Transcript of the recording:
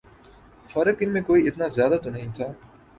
فرق ان میں کوئی اتنا زیادہ تو نہیں تھا